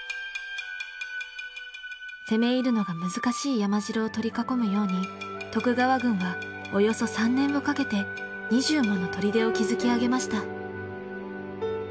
攻め入るのが難しい山城を取り囲むように徳川軍はおよそ３年をかけて２０もの砦を築き上げました。